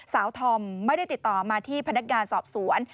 ธอมไม่ได้ติดต่อมาที่พนักงานสอบสวน